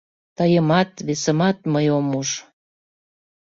Тыйымат, весымат мый ом уж